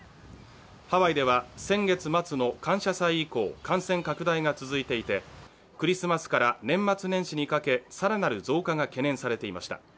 ハワイでは先月末の感謝祭以降、感染拡大が続いていてクリスマスから年末年始にかけ、更なる増加が懸念されていました。